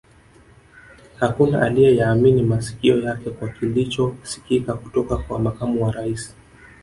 Hakuna aliye yaamini masikio yake kwa kilicho sikika kutoka kwa Makamu wa Rais